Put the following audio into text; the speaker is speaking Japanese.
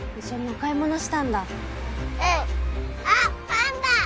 あパンダ！